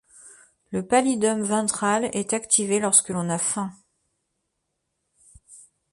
Le pallidum ventral est activé lorsque l'on a faim.